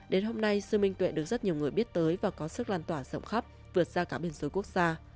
đến hôm nay sư minh tuệ được rất nhiều người biết tới và có sức lan tỏa rộng khắp vượt xa cả biên giới quốc gia